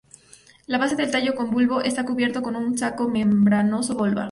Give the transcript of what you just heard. La base del tallo con bulbo está cubierto con un saco membranoso volva.